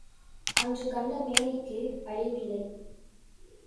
அன்று கண்ட மேனிக்கு அழிவில்லை.